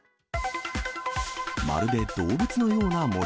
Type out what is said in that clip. まるで動物のような森。